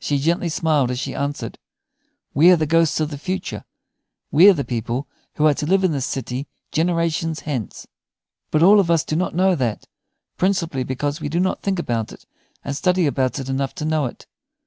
She gently smiled as she answered, "We are the ghosts of the future. We are the people who are to live in this city generations hence. But all of us do not know that, principally because we do not think about it and study about it enough to know it.